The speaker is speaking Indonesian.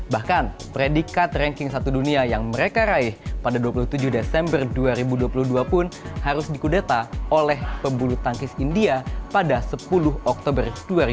bahkan predikat ranking satu dunia yang mereka raih pada dua puluh tujuh desember dua ribu dua puluh dua pun harus dikudeta oleh pebulu tangkis india pada sepuluh oktober dua ribu dua puluh